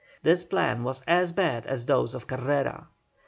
This plan was as bad as those of Carrera.